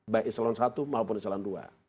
baik islan satu maupun islan dua